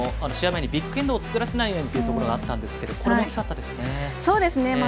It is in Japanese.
試合前にビッグエンドを作らせないようにというお話があったんですけれどもこれが大きかったですね。